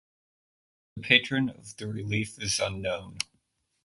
The patron of the relief is unknown.